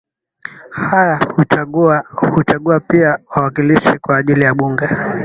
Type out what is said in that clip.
haya huchagua pia wawakilishi kwa ajili ya bunge